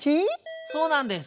そうなんです。